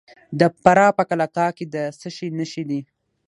د فراه په قلعه کاه کې د څه شي نښې دي؟